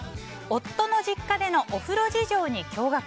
夫の実家でのお風呂事情に驚愕。